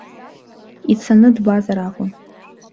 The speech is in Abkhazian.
Ицаны дбазар акәын.